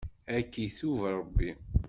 Ad k-itub Ṛebbi.